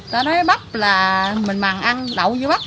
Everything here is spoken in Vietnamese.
ta nói bắp là mình bằng ăn đậu với bắp